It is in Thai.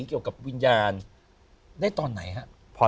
เกี่ยวกับวิญญาณได้ตอนไหนครับ